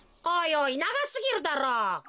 おいおいながすぎるだろ。